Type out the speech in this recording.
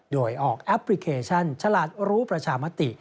โดยออกแอปพลิเคชันฉลาดรู้ประชามติ